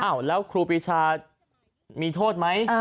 อะไรครูปิชามีโทษไหม